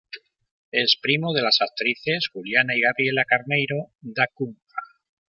Es primo de las actrices Juliana y Gabriela Carneiro da Cunha.